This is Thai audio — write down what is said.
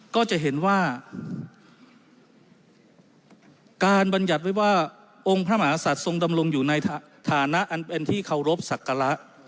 ก็จะเห็นว่าการบรรยัติไว้ว่าองค์พระมหาศัตว์ทรงดำรงอยู่ในฐานะอันเป็นที่เคารพสักการะ